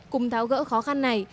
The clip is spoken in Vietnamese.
cùng tháo gỡ khó khăn này